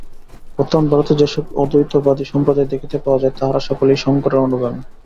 বর্তমান ভারতে যে-সব অদ্বৈতবাদী সম্প্রদায় দেখিতে পাওয়া যায়, তাহারা সকলেই শঙ্করের অনুগামী।